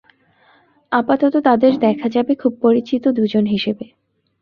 আপাতত তাঁদের দেখা যাবে খুব পরিচিত দুজন হিসেবে।